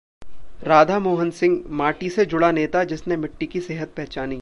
राधामोहन सिंह: माटी से जुड़ा नेता जिसने मिट्टी की 'सेहत' पहचानी